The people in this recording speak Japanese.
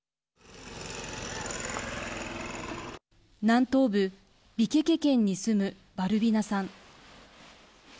南東部ビケケ県に住むバルビナさん。